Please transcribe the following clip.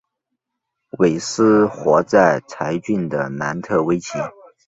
韦斯活在柴郡的南特威奇。